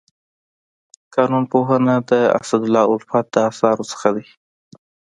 قانون پوهنه د اسدالله الفت د اثارو څخه دی.